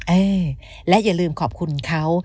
เออและอย่าลืมขอบคุณเขา